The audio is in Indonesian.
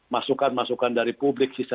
masukan masukan dari publik sisa